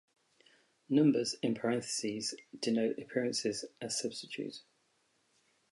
Numbers in parentheses denote appearances as substitute.